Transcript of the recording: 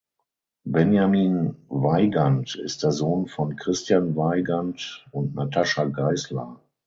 Benjamin Weygand ist der Sohn von Christian Weygand und Natascha Geisler.